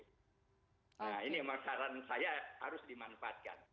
nah ini masalah saya harus dimanfaatkan